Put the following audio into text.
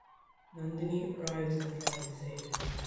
Nandini arrives and tries to save him.